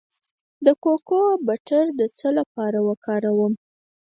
د کوکو بټر د څه لپاره وکاروم؟